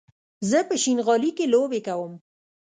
زه په شينغالي کې لوبې کوم